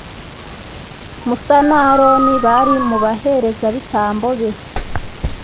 musa na aroni bari mu baherezabitambo be